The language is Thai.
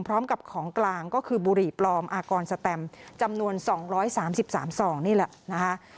พร้อมกับของกลางก็คือบุหรี่ปลอมอากรสแตมจำนวนสองร้อยสามสิบสามซองนี่แหละนะคะ